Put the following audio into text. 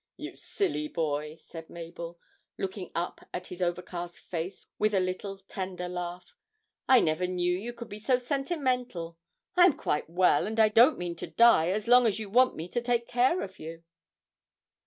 'You silly boy!' said Mabel, looking up at his overcast face with a little tender laugh. 'I never knew you could be so sentimental. I am quite well, and I don't mean to die as long as you want me to take care of you!'